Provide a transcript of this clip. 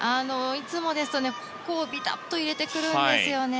いつもですとここを、びたっと入れてくるんですよね。